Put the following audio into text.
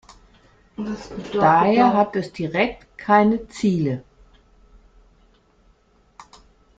Daher hat es direkt "keine Ziele".